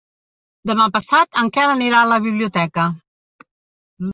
Demà passat en Quel anirà a la biblioteca.